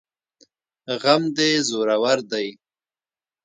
غم دي زورور دی